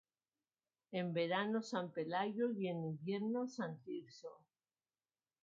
En verano San Pelayo y en invierno San Tirso.